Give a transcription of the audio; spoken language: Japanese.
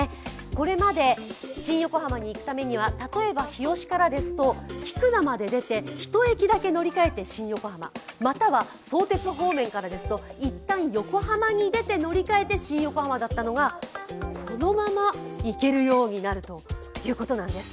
これまで新横浜に行くためには例えば日吉からですと菊名まで出て、１駅だけ乗り換えて新横浜、または、相鉄方面からですと一旦横浜に出て乗り換えて、新横浜だったのがそのまま行けるようになるということなんです。